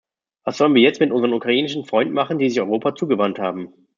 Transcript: Was sollen wir jetzt mit unseren ukrainischen Freunden machen, die sich Europa zugewandt haben?